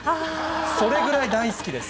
それぐらい大好きです。